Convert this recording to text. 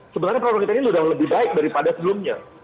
sebenarnya peraturan kita ini udah lebih baik daripada sebelumnya